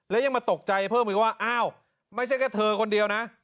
แล้วยังมาตกใจเพิ่มอีกว่าอ้าวไม่ใช่แค่เธอคนเดียวนะ